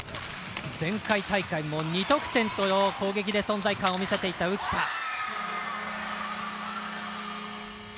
前回大会も２得点と、攻撃で存在感を見せていた浮田。